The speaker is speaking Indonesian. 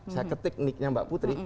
saya ketik niknya mbak putri